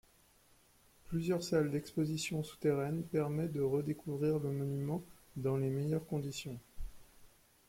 Plusieurs salles d'exposition souterraines permettent de redécouvrir le monument dans les meilleures conditions.